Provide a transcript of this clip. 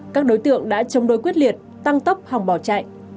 các đối tượng đã chống đối quyết liệt tăng tốc hòng bỏ chạy